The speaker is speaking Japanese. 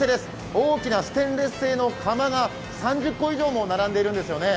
大きなステンレス製の釜が３０個以上も並んでいるんですね。